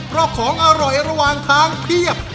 เพราะของอร่อยระหว่างทางเพียบ